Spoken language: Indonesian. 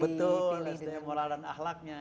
betul sdm moral dan ahlaknya